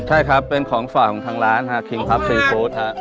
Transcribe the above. ใช่ครับเป็นของฝากของทางร้านฮาคิงครับซีฟู้ดฮะ